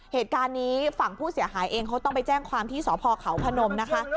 เหตุการณ์นี้ฝั่งผู้เสียหายเองเขาต้องไปแจ้งความที่สพเขาพนมนะคะ